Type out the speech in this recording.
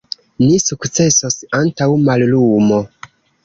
Ni sukcesos antaŭ mallumo.